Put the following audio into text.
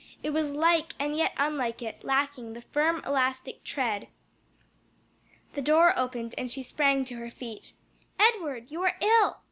It was like and yet unlike it, lacking the firm, elastic tread. The door opened and she sprang to her feet. "Edward! you are ill!"